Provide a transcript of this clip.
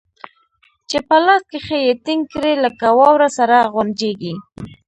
چې په لاس کښې يې ټينګ کړې لکه واوره سره غونجېږي.